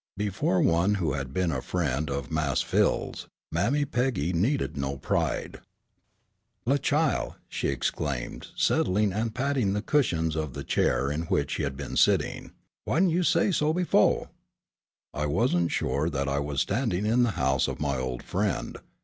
Before one who had been a friend of "Mas' Phil's," Mammy Peggy needed no pride. "La, chile," she exclaimed, settling and patting the cushions of the chair in which he had been sitting, "w'y didn' you say so befo'?" "I wasn't sure that I was standing in the house of my old friend.